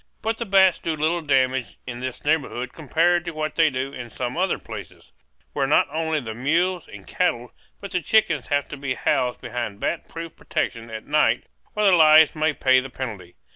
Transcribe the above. But the bats do little damage in this neighborhood compared to what they do in some other places, where not only the mules and cattle but the chickens have to be housed behind bat proof protection at night or their lives may pay the penalty.